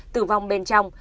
tử vong bên trong